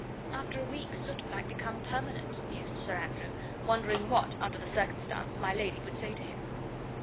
"After a week soot might become permanent," mused Sir Andrew, wondering what, under the circumstance, my lady would say to him.